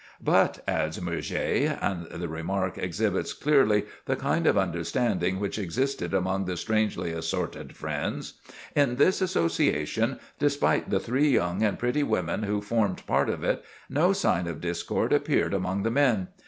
"But," adds Murger—and the remark exhibits clearly the kind of understanding which existed among the strangely assorted friends—"in this association, despite the three young and pretty women who formed part of it, no sign of discord appeared among the men.